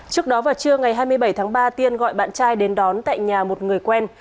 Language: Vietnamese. trước đó vào trưa ngày hai mươi bảy tháng ba tiên gọi bạn trai đến đón tại nhà một người quen